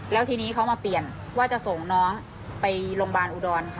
แล้วทีนี้เขามาเปลี่ยนว่าจะส่งน้องไปโรงพยาบาลอุดรค่ะ